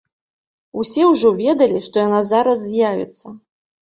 Усе ўжо ведалі, што яна зараз з'явіцца.